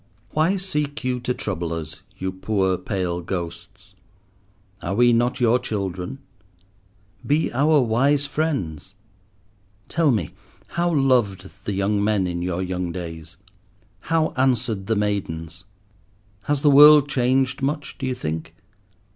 Why seek you to trouble us, you poor pale ghosts? Are we not your children? Be our wise friends. Tell me, how loved the young men in your young days? how answered the maidens? Has the world changed much, do you think?